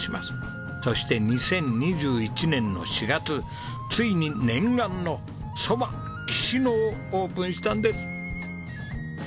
そして２０２１年の４月ついに念願の蕎麦きし野をオープンしたんです。